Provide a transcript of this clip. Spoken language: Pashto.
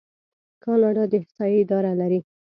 کاناډا د احصایې اداره لري.